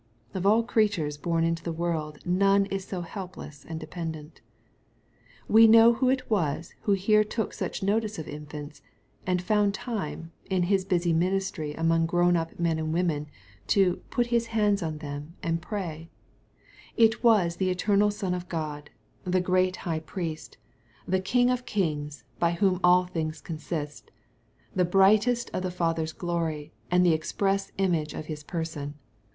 Of all creatures born into the world none is so helpless and dependent. We know who it was who here took such notice of infants, and found time, in His busy ministry among grown up men and women, to " put his hands on them and pray/' It was the eternal Son of God, the great High Priest, the King of 236 EXPOSITORT THOUGHTS. kings, by whom all things consist, " the brightness of the Father's glory, and the express image of His person."